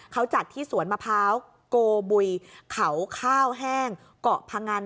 เขาจัดที่สวนมะพร้าวโกบุยเขาข้าวแห้งเกาะพงัน